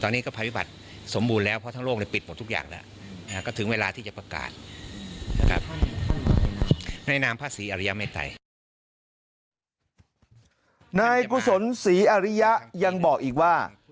นายกุศลศรีอริยะยังบอกอีกว่า